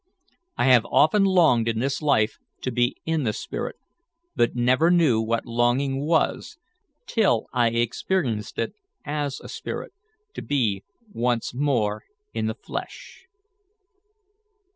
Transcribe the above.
I have often longed in this life to be in the spirit, but never knew what longing was, till I experienced it as a spirit, to be once more in the flesh."